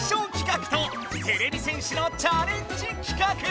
かくとてれび戦士のチャレンジきかく！